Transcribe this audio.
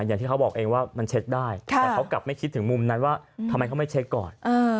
อย่างที่เขาบอกเองว่ามันเช็คได้แต่เขากลับไม่คิดถึงมุมนั้นว่าทำไมเขาไม่เช็คก่อน